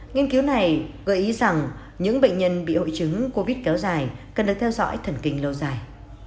nghiên cứu này gợi ý rằng những bệnh nhân bị hội chứng covid kéo dài cần được theo dõi thần kinh lâu dài